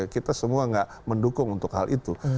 kita semua nggak mendukung untuk hal itu